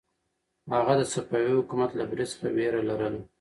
هغه د صفوي حکومت له برید څخه وېره لرله.